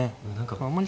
あんまり。